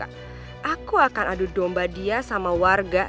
aku akan adu domba dia sama warga